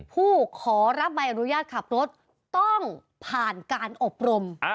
ผู้ขอรับใบอนุญาตขับรถต้องผ่านการอบรม